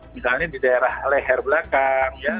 misalnya di daerah leher belakang ya